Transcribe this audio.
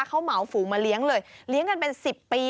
เขาเหมาฝูงมาเลี้ยงเลยเลี้ยงกันเป็น๑๐ปี